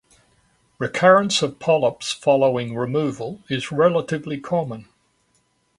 Recurrence of polyps following removal is relatively common.